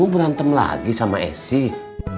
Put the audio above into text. berantem lagi sama esy